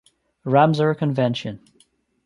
Ramsar Convention